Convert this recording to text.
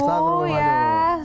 selamat berbulan madu ya